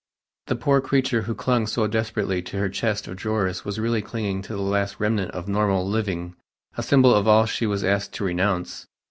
The poor creature who clung so desperately to her chest of drawers was really clinging to the last remnant of normal living a symbol of all she was asked to renounce.